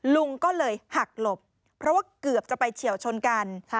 ลุงก็เลยหักหลบเพราะว่าเกือบจะไปเฉียวชนกัน